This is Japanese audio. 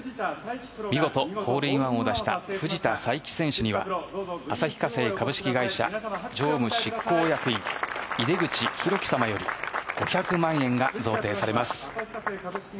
見事ホールインワンを出した藤田さいき選手には旭化成株式会社常務執行役出口博基さまより５００万円が贈呈されます。